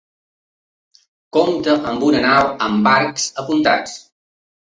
Compta amb una nau amb arcs apuntats.